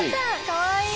かわいい。